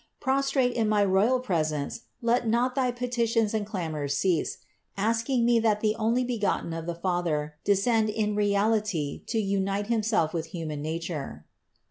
Prostrate in my royal presence let not thy petitions and clamors cease, asking Me that the Onlybegotten of the Father descend in reality to unite Himself with the human nature."